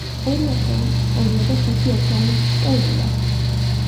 ორი ათეულიც სწორია და ხუთი ერთეულიც სწორია.